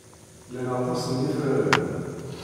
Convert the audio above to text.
Llan aṭas n yifranen.